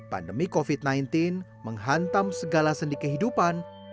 pandemi covid sembilan belas menghantam segala sendi kehidupan